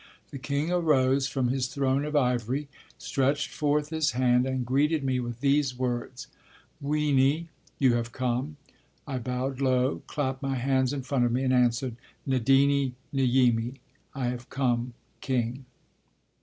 The king arose from his throne of ivory, stretched forth his hand and greeted me with these words, "Wyni" (You have come). I bowed low, clapped my hands in front of me, and answered, "Ndini, Nyimi" (I have come, king).